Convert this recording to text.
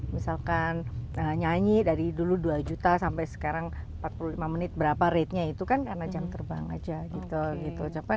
misalkan nyanyi dari dulu dua juta sampai sekarang empat puluh lima menit berapa ratenya itu kan karena jam terbang aja gitu